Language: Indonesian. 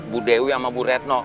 bu dewi sama bu retno